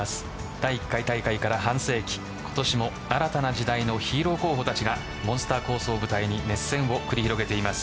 第１回大会から半世紀今年も新たな時代のヒーロー候補たちがモンスターコースを舞台に熱戦を繰り広げています。